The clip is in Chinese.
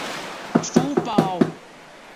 书包